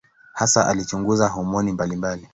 Hasa alichunguza homoni mbalimbali.